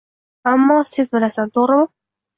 Ammo sen bilasan, to`g`rimi